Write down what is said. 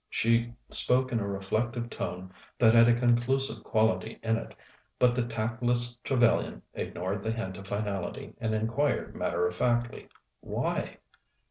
She spoke in a reflective tone that had a conclusive quality in it, but the tactless Trevellyan ignored the hint of finality and inquired matter of factly: "Why?"